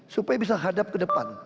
supaya bisa hadap ke depan